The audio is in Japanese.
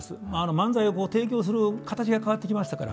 漫才を提供する形が変わってきましたから。